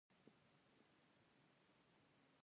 دځنګل حاصلات د افغانستان د ملي هویت نښه ده.